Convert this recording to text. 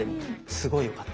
すごいよかった。